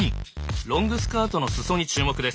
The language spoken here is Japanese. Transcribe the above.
ロングスカートの裾に注目です。